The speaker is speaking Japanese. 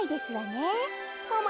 もも